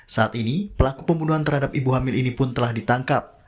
saat ini pelaku pembunuhan terhadap ibu hamil ini pun telah ditangkap